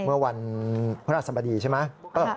เมื่อวันพระราชสมดีใช่ไหม